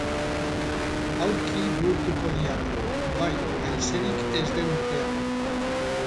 Aurki bihurtuko diat. —Bai, haizerik ez den urtean.